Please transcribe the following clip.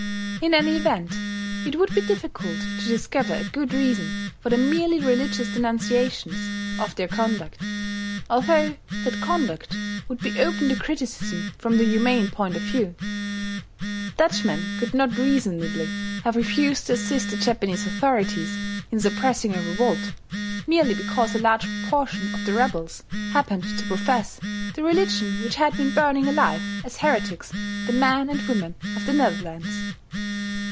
In any event, it would be difficult to discover a good reason for the merely religious denunciations of their conduct, although that conduct would be open to criticism from the humane point of view. Dutchmen could not reasonably have refused to assist the Japanese authorities in suppressing a revolt, merely because a large proportion of the rebels happened to profess the religion which had been burning alive as heretics the men and women of the Netherlands.